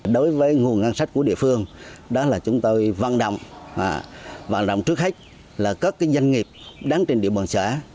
đối với nguồn ngân sách của địa phương đó là chúng tôi vận động vận động trước hết là các doanh nghiệp đáng trình địa bàn xã